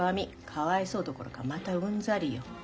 かわいそうどころかまたうんざりよ。